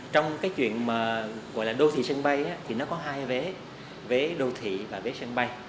trong cái chuyện mà gọi là đô thị sân bay thì nó có hai vế vế đô thị và vế sân bay